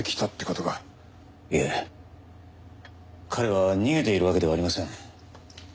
いえ彼は逃げているわけではありません。